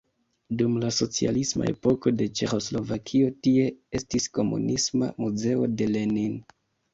Dum la socialisma epoko de Ĉeĥoslovakio tie estis komunisma muzeo de Lenin.